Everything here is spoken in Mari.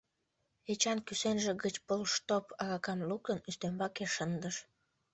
Эчан, кӱсенже гыч полштоп аракам луктын, ӱстембаке шындыш.